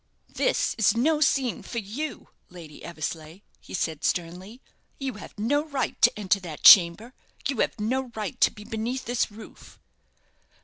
"This is no scene for you, Lady Eversleigh," he said, sternly. "You have no right to enter that chamber. You have no right to be beneath this roof."